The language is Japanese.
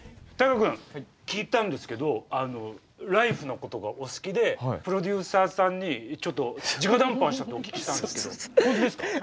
太賀君聞いたんですけど「ＬＩＦＥ！」のことがお好きでプロデューサーさんにちょっとじか談判したってお聞きしたんですけど本当ですか？